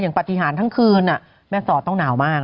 ปฏิหารทั้งคืนแม่สอดต้องหนาวมาก